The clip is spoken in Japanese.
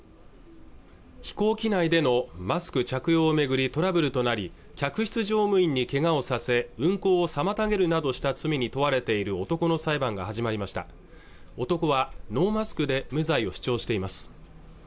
飛行機内でのマスク着用を巡りトラブルとなり客室乗務員にけがをさせ運航を妨げるなどした罪に問われている男の裁判が始まりました男はノーマスクで無罪を主張しています